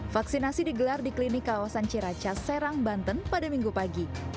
vaksinasi digelar di klinik kawasan ciracas serang banten pada minggu pagi